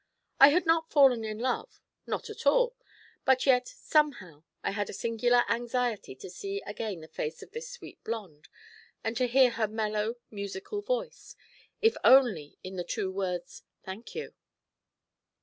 I had not fallen in love, not at all; but yet somehow I had a singular anxiety to see again the face of this sweet blonde, and to hear her mellow, musical voice, if only in the two words, 'Thank you.'